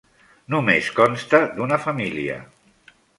Només consta d'una família.